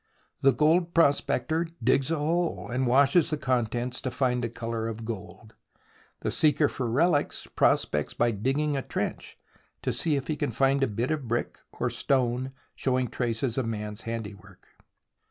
The gold prospector digs a hole, and washes the contents to find a colour of gold ; the seeker for relics prospects by digging a trench to see if he can find a bit of brick or stone showing traces of man's handiwork.